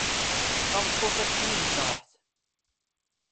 Tameṭṭut-a d timnecreḥt.